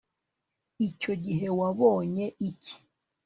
icyo gihe wabonye iki